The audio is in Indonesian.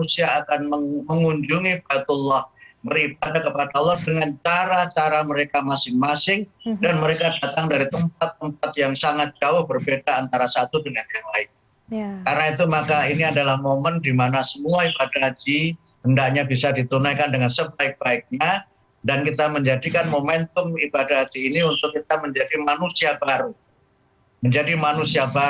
sangat panas sekali untuk orang indonesia